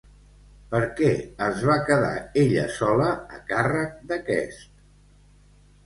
Per què es va quedar ella sola a càrrec d'aquest?